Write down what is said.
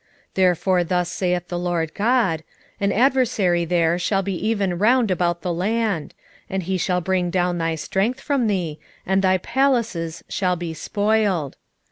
3:11 Therefore thus saith the Lord GOD; An adversary there shall be even round about the land; and he shall bring down thy strength from thee, and thy palaces shall be spoiled.